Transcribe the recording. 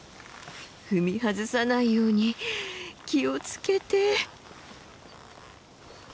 踏み外さないように気を付けて。